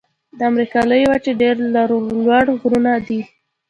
د امریکا لویې وچې ډېر لوړ غرونه دي.